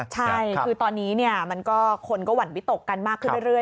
ใช่คือตอนนี้คนก็หวั่นวิตกกันมากขึ้นเรื่อย